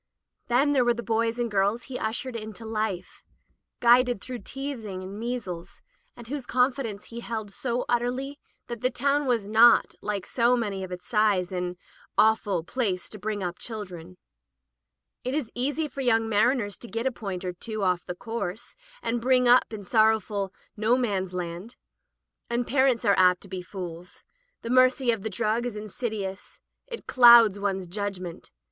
[ 385 ] Digitized by LjOOQ IC Interventions Then there were the boys and girls he had ushered into life, guided through teething and measles, and whose confidence he held so utterly that the town was not, like so many of its size, an ''awful place to bring up chil dren/' It is easy for young mariners to get a point or two off the course, and bring up in sorrowful "No Man's Land." And parents are apt to be fools. The mercy of the drug is insidious. It clouds one's judgment.